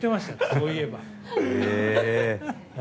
そういえば。